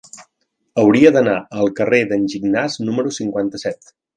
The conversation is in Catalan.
Hauria d'anar al carrer d'en Gignàs número cinquanta-set.